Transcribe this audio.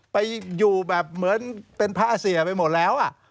ไปอยู่แบบเหมือนเป็นพระเสียไปหมดแล้ว